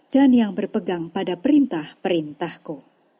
dan yang berpegang pada perintah perintahku